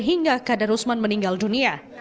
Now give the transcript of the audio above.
hingga kada rusman meninggal dunia